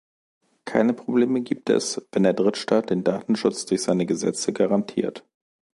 Keine Probleme gibt es, wenn der Drittstaat den Datenschutz durch seine Gesetze garantiert.